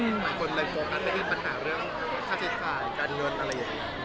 คนในโปรกนั้นมีปัญหาเรื่องค่าใช้สายการเงินอะไรอย่างนี้